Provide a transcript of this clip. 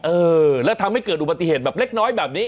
เออแล้วทำให้เกิดอุบัติเหตุแบบเล็กน้อยแบบนี้